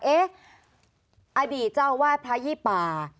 อดีตเจ้าวาดพระยี่ป่า